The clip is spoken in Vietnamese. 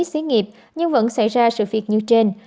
xí nghiệp nhưng vẫn xảy ra sự việc như trên